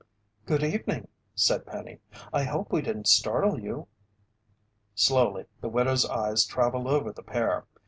"Good evening," said Penny. "I hope we didn't startle you." Slowly the widow's eyes traveled over the pair.